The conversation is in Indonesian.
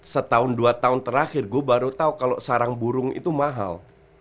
setahun dua tahun terakhir gue baru tahu kalau sarang burung itu mahal